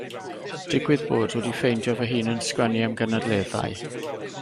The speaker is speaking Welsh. Digwydd bod wedi ffeindio fy hun yn sgwennu am gynadleddau.